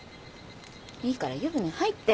いいから湯船入って。